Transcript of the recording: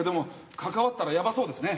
関わったらやばそうですね。